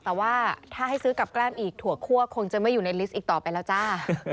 แต่ว่าถ้าให้ซื้อกับแก้มอีกถั่วคั่วคงจะไม่อยู่ในลิสต์อีกต่อไปแล้วจ้า